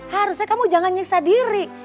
harusnya kamu jangan nyiksa diri